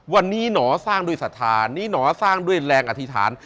วันนี้หนอสร้างด้วยศรัทธานี่หนอสร้างด้วยแรงอธิษฐาน